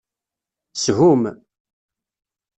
Shum!